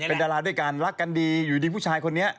เป็นดาราด้วยกันรักกันดีอยู่ดีผู้ชายคนนี้